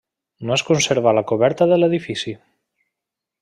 No es conserva la coberta de l'edifici.